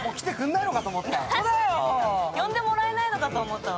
呼んでもらえないのかと思ったわ。